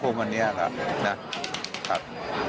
ก็จะไปตามที่เราคาดนะครับ